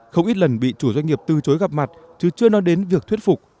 không ít lần bị chủ doanh nghiệp từ chối gặp mặt chứ chưa nói đến việc thuyết phục